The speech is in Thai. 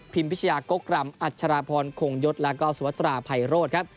พิมพิชยากกรรมอัชราพรโขงยศแล้วก็สวทราไพโรธครับ